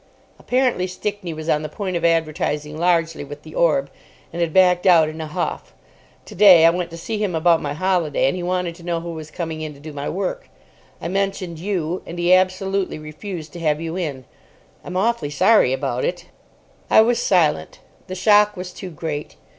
Apparently Stickney was on the point of advertising largely with the Orb, and had backed out in a huff. Today, I went to see him about my holiday, and he wanted to know who was coming in to do my work. I mentioned you, and he absolutely refused to have you in. I'm awfully sorry about it." I was silent. The shock was too great.